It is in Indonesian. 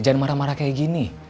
jangan marah marah kayak gini